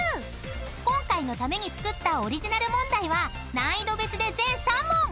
［今回のために作ったオリジナル問題は難易度別で全３問］